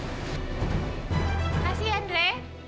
makasih ya andre